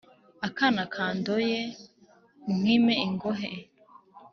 Akana kandoye nkime ingohe